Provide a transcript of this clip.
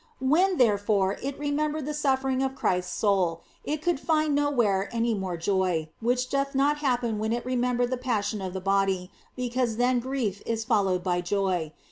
When, therefore, it remembered the suffering of Christ s soul, it could find nowhere any more joy, which doth not happen when it remembereth the passion of the body, because then grief is followed by joy.